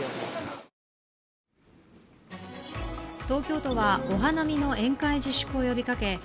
東京都はお花見の宴会自粛を呼びかけ